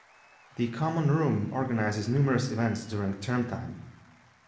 The Common Room organises numerous events during term time.